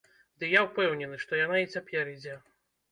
Ды, я ўпэўнены, што яна і цяпер ідзе!